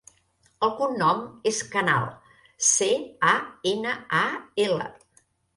El cognom és Canal: ce, a, ena, a, ela.